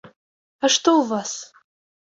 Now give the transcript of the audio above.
А што ў вас?